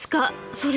それ。